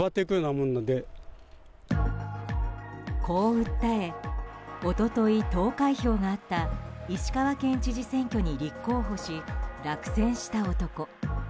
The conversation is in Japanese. こう訴え一昨日、投開票があった石川県知事選挙に立候補し落選した男